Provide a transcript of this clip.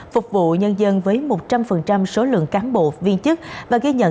phục vụ nhân dân với một trăm linh số lượng cán bộ viên chức và ghi nhận